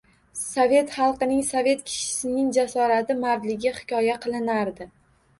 Sovet xalqining, sovet kishisining jasorati, mardligi hikoya qilinardi